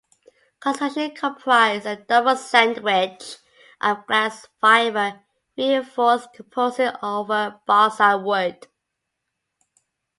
Construction comprised a double sandwich of glass-fibre reinforced composite over balsa wood.